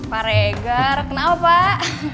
pak regar kenapa pak